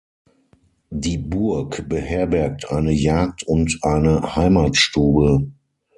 Die Burg beherbergt eine Jagd- und eine Heimatstube.